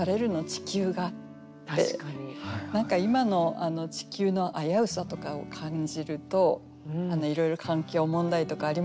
ちきゅうが」って何か今の地球の危うさとかを感じるといろいろ環境問題とかありますよね。